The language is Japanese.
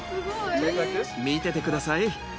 見ててください。